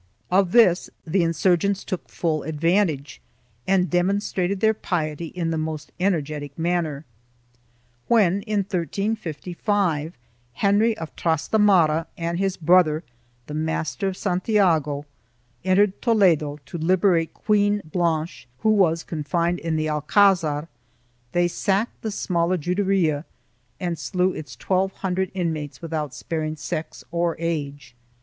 1 Of this the insurgents took full advantage and demonstrated their piety in the most energetic manner. When, in 1355, Henry of Trastamara and his brother, the Master of Santiago, entered Toledo to liberate Queen Blanche, who was confined in the alcazar, they sacked the smaller Juderia and slew its twelve hundred inmates without sparing sex or age.